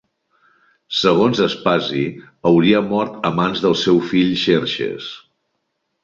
Segons Aspasi hauria mort a mans del seu fill Xerxes.